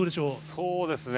そうですね。